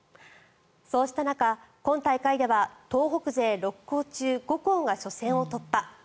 そうした中、今大会では東北勢６校中５校が初戦を突破。